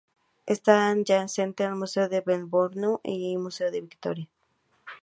Está adyacente al Museo de Melbourne y el Museo de Victoria.